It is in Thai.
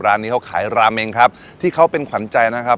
ร้านนี้เขาขายราเมงครับที่เขาเป็นขวัญใจนะครับ